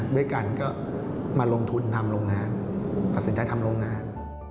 ด้วยกันก็มาลงทุนทำโรงงานตัดสินใจทำโรงงาน